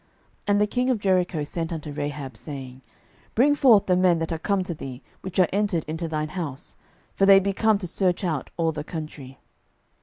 06:002:003 And the king of Jericho sent unto Rahab, saying, Bring forth the men that are come to thee, which are entered into thine house: for they be come to search out all the country.